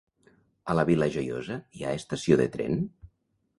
A la Vila Joiosa hi ha estació de tren?